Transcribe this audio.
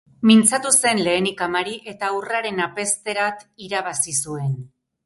Mintzatu zen lehenik amari, eta haurraren apezterat irabazi zuen.